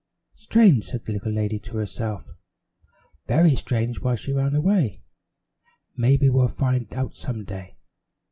"Strange," said the little lady to herself. "Very strange why she ran away. Maybe we'll find out some day.